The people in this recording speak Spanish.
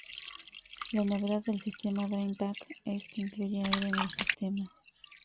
La novedad del sistema drain-back es que incluye aire en el sistema.